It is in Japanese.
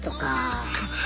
そっか。